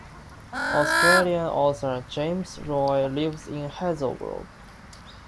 Australian author James Roy lives in Hazelbrook.